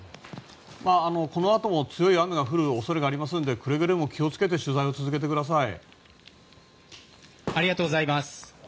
このあとも強い雨が降る恐れがありますのでくれぐれも気を付けて取材を続けてください。